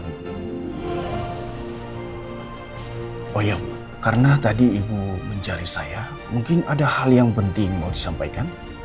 oh ya karena tadi ibu mencari saya mungkin ada hal yang penting mau disampaikan